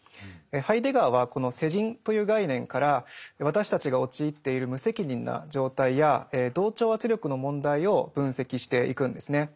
ハイデガーはこの世人という概念から私たちが陥っている無責任な状態や同調圧力の問題を分析していくんですね。